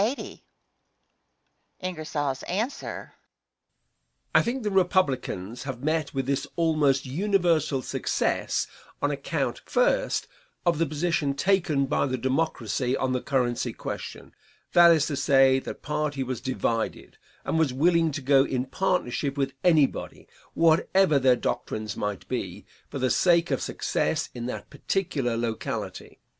Answer. I think the Republicans have met with this almost universal success on account, first, of the position taken by the Democracy on the currency question; that is to say, that party was divided, and was willing to go in partnership with anybody, whatever their doctrines might be, for the sake of success in that particular locality.